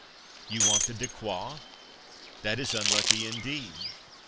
you want the de quoi? that is unlucky indeed.